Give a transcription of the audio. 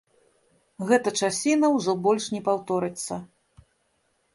Гэта часіна ўжо больш не паўторыцца.